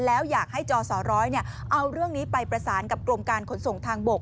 แล้วอยากให้จอสร้อยเอาเรื่องนี้ไปประสานกับกรมการขนส่งทางบก